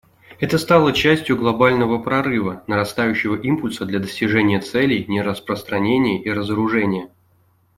Это стало частью глобального прорыва: нарастающего импульса для достижения целей нераспространения и разоружения.